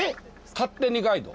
勝手にガイド。